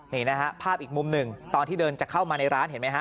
นี่นะฮะภาพอีกมุมหนึ่งตอนที่เดินจะเข้ามาในร้านเห็นไหมฮะ